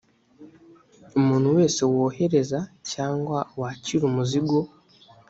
umuntu wese wohereza cyangwa wakira umuzigo